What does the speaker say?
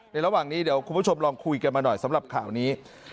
ระหว่างนี้เดี๋ยวคุณผู้ชมลองคุยกันมาหน่อยสำหรับข่าวนี้